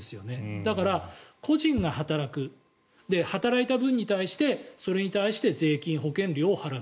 だから、個人が働く働いた分に対してそれに対して税金、保険料を払う。